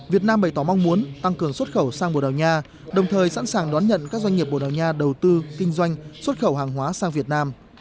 việt nam bày tỏ mong muốn tăng cường xuất khẩu sang bồ đào nha đồng thời sẵn sàng đón nhận các doanh nghiệp bồ đào nha đầu tư kinh doanh xuất khẩu hàng hóa sang việt nam